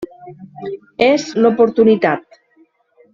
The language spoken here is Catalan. És l’oportunitat.